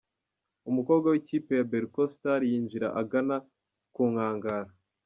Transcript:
Umukobwa w’ikipe ya Berco Star yinjira agana ku nkangara.